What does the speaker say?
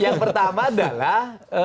yang pertama adalah